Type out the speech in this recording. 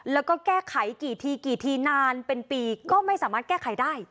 แล้วก็แก้ไขกี่ทีกี่ทีนานเป็นปีก็ไม่สามารถแก้ไขได้